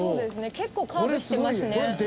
結構カーブしてますね。